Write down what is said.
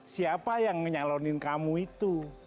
siapa yang menyalonin kamu itu